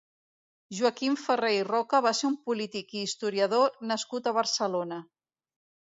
Joaquim Ferrer i Roca va ser un polític i historiador nascut a Barcelona.